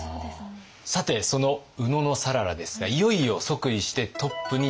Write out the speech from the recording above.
さてその野讃良ですがいよいよ即位してトップになります。